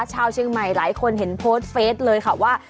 ชาวเชียงใหม่หลายคนเห็นโพสต์เฟสเลยค่ะว่า